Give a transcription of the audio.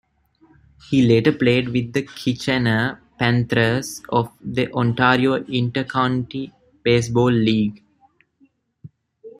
He later played with the Kitchener Panthers of the Ontario Intercounty Baseball League.